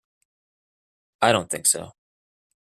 I don't think so.